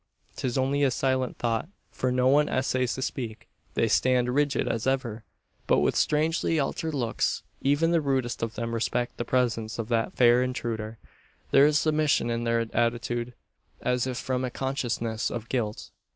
'Tis only a silent thought; for no one essays to speak. They stand rigid as ever, but with strangely altered looks. Even the rudest of them respect the presence of that fair intruder. There is submission in their attitude, as if from a consciousness of guilt.